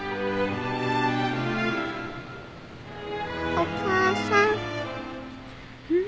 お母さん。